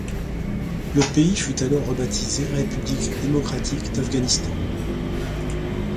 Le pays fut alors rebaptisé République démocratique d'Afghanistan.